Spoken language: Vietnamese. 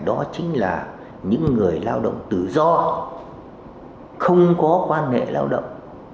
đó chính là những người lao động tự do không có quan hệ lao động